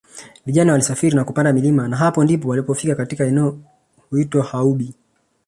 vijana walisafiri na kupanda milima na hapo ndipo walipofika katika eneo huitwa Haubi